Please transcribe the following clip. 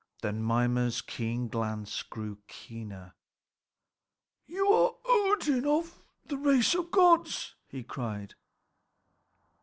Then Mimer's keen glance grew keener. "You are Odin, of the race of gods," he cried.